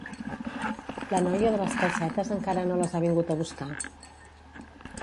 La noia de les calcetes encara no les ha vingut a buscar